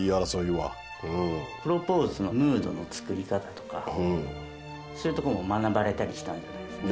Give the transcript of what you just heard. スタッフ：プロポーズのムードの作り方とかそういうとこも学ばれたりしたんじゃないですか？